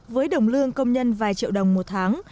với đồng lương công nhân vài triệu đồng một tháng